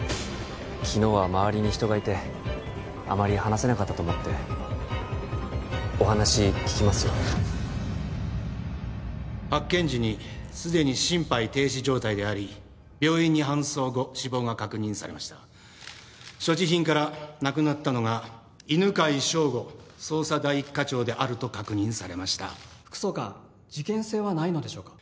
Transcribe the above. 昨日は周りに人がいてあまり話せなかったと思ってお話聞きますよ発見時にすでに心肺停止状態であり病院に搬送後死亡が確認されました所持品から亡くなったのが犬飼彰吾捜査第一課長であると確認されました副総監事件性はないのでしょうか？